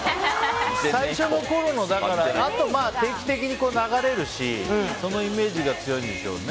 最初のころのあとは定期的に流れるしそのイメージが強いんでしょうね。